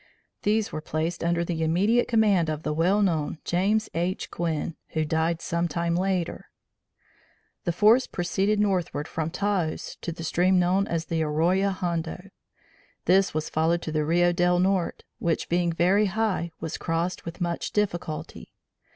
These were placed under the immediate command of the well known James H. Quinn, who died some time later. The force proceeded northward from Taos to the stream known as the Arroya Hondo. This was followed to the Rio del Norte, which being very high, was crossed with much difficulty.